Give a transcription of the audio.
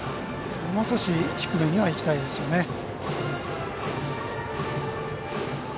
もう少し低めにはいきたいですよね。